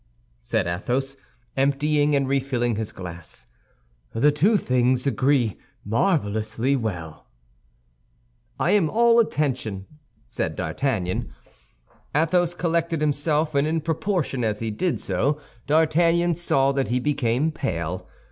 said Athos, emptying and refilling his glass. "The two things agree marvelously well." "I am all attention," said D'Artagnan. Athos collected himself, and in proportion as he did so, D'Artagnan saw that he became pale.